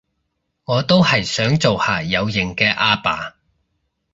我都係想做下有型嘅阿爸